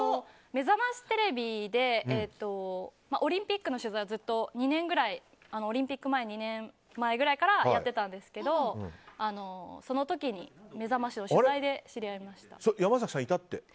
「めざましテレビ」でオリンピックの取材を２年ぐらい前からやってたんですけどその時に「めざまし」の取材で山崎さんいたって。